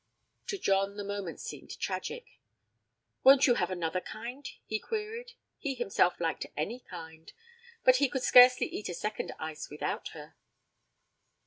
To John the moment seemed tragic. 'Won't you have another kind?' he queried. He himself liked any kind, but he could scarcely eat a second ice without her.